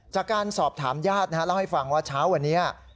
จากการสอบถามญาติเล่าให้ฟังว่าเช้าวันนี้